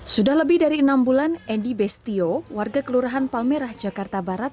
sudah lebih dari enam bulan endi bestio warga kelurahan palmerah jakarta barat